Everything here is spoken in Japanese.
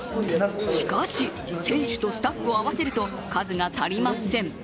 しかし、選手とスタッフを合わせると数が足りません。